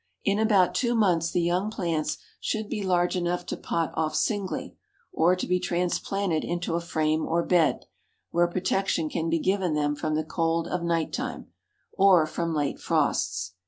In about two months the young plants should be large enough to pot off singly, or to be transplanted into a frame or bed, where protection can be given them from the cold of night time, or from late frosts.